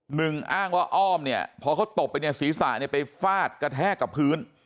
หนึ่งอ้างว่าอ้อมเนี่ยพอเขาตบไปเนี่ยศีรษะเนี่ยไปฟาดกระแทกกับพื้น